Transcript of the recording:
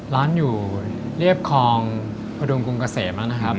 ร้านอยู่บคลองพดุงกรุงเกษมนะครับ